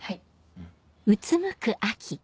うん。